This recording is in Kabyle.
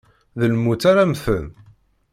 D lmut ara mmten.